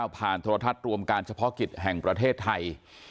โทรทัศน์รวมการเฉพาะกิจแห่งประเทศไทย